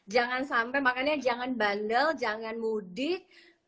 jangan sampai makanya jangan bandel jangan mudik